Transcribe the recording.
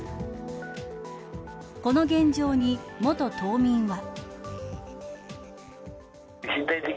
この現状に元島民は。